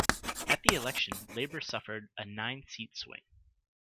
At the election, Labor suffered a nine-seat swing.